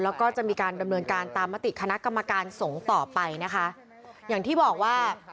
แล้วก็จะมีการดำเนินการตามมติคณะกรรมการสงฆ์ต่อไปนะคะอย่างที่บอกว่า